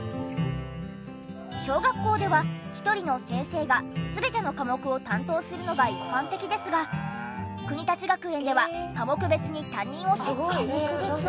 小学校では１人の先生が全ての科目を担当するのが一般的ですが国立学園では科目別に担任を設置。